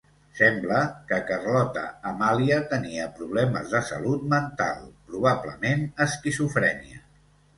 Sembla que Carlota Amàlia tenia problemes de salut mental, probablement esquizofrènia.